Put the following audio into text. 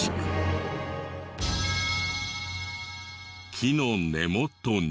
木の根元に。